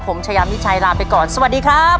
ผมชายามิชัยลาไปก่อนสวัสดีครับ